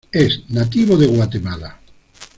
Es nativo de Guatemala.